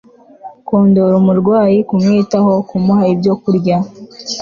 kondora umurwayi kumwitaho, kumuha ibyo kurya